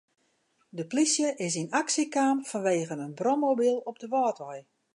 De plysje is yn aksje kaam fanwegen in brommobyl op de Wâldwei.